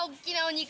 肉。